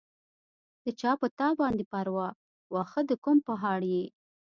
د چا پۀ تا باندې پرواه، واښۀ د کوم پهاړ ئې